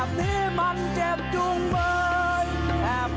กลุ่มเมื่อจะหาทุกรัม